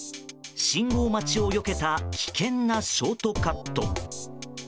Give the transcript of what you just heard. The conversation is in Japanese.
信号待ちをよけた危険なショートカット。